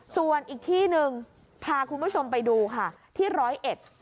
ส่วนอีกที่หนึ่งพาคุณผู้ชมไปดูค่ะที่ร้อยเอ็ด